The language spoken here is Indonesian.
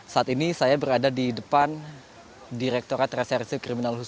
saat ini saya berada di depan direkturat reserse kriminal khusus